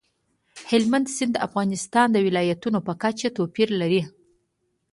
هلمند سیند د افغانستان د ولایاتو په کچه توپیر لري.